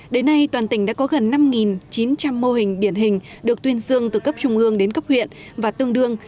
đến nay toàn tỉnh đã có gần năm chín trăm linh mô hình điển hình được tuyên dương từ cấp trung ương đến cấp huyện và tương đương